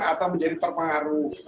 atau menjadi terpengaruh